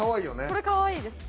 これかわいいです。